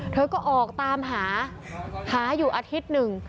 เธอก็ออกตามหาหาอยู่อาทิตย์หนึ่ง